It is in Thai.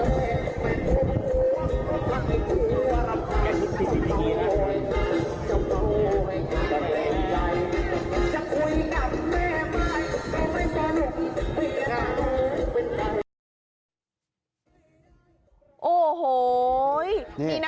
มันกลัวมันกลัวมันกลัวมันกลัว